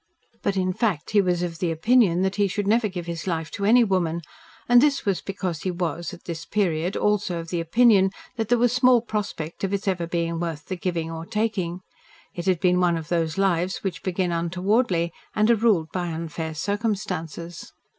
But, in fact, he was of the opinion that he should never give his life to any woman, and this was because he was, at this period, also of the opinion that there was small prospect of its ever being worth the giving or taking. It had been one of those lives which begin untowardly and are ruled by unfair circumstances.